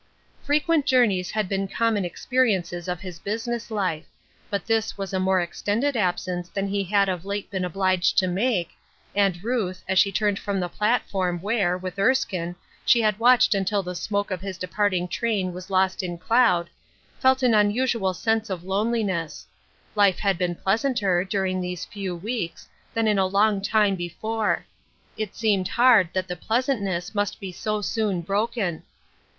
154 TH E WISDOM OF THIS WORLD. Frequent journeys had been common experiences of his business life ; but this was a more extended absence than he had of late been obliged to make, and Ruth, as she turned from the platform where, with Erskine, she had watched until the smoke of his departing train was lost in cloud, felt an unusual sense of loneliness ; life had been pleas anter, during these few weeks, than in a long time before; it seemed hard that the pleasantness must be so soon broken.